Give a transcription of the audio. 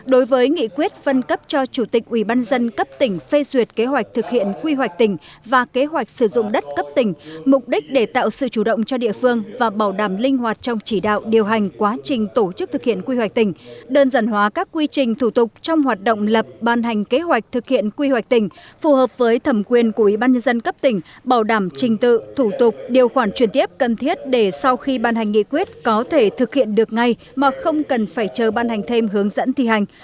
đối với nghị quyết phân cấp cho chủ tịch ubnd cấp tỉnh phê duyệt kế hoạch thực hiện quy hoạch tỉnh và kế hoạch sử dụng đất cấp tỉnh mục đích để tạo sự chủ động cho địa phương và bảo đảm linh hoạt trong chỉ đạo điều hành quá trình tổ chức thực hiện quy hoạch tỉnh đơn giản hóa các quy trình thủ tục trong hoạt động lập ban hành kế hoạch thực hiện quy hoạch tỉnh phù hợp với thẩm quyền của ubnd cấp tỉnh bảo đảm trình tự thủ tục điều khoản truyền tiếp cần thiết để sau khi ban hành nghị quyết có thể thực hiện được ngay mà không cần phải chờ ban